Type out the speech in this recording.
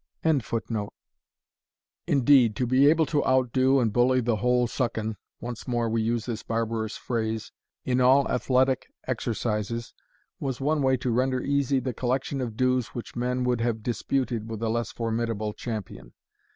] Indeed, to be able to outdo and bully the whole Sucken, (once more we use this barbarous phrase,) in all athletic exercises, was one way to render easy the collection of dues which men would have disputed with a less formidable champion.